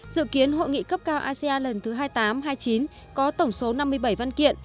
dự kiến hội nghị cấp cao asean lần thứ hai mươi tám hai mươi chín có tổng số năm mươi bảy văn kiện